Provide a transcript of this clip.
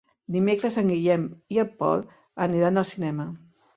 Dimecres en Guillem i en Pol aniran al cinema.